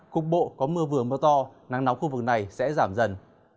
cục bộ có mưa vừa mưa to nắng nóng khu vực này sẽ giảm dần